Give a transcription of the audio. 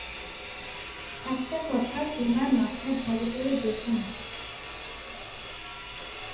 একটা কথা তোমার মাথায় ভালো করে গেঁথে নাও।